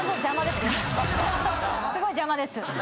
すごい邪魔です。